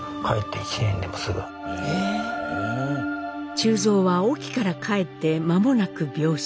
忠蔵は隠岐から帰って間もなく病死。